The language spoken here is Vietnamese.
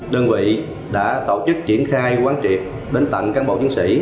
đơn vị đã tạo chức triển khai quán triệp đến tận cán bộ chiến sĩ